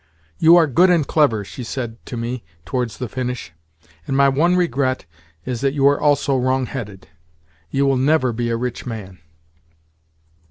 "You are good and clever," she said to me towards the finish, "and my one regret is that you are also so wrong headed. You will her be a rich man!"